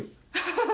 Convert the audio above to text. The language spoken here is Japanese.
ハハハ！